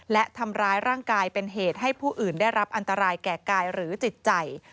และทำร้ายร่างกายเป็นเหตุให้ผู้อื่นได้รับอันตรายแก่กายหรือจิตใจ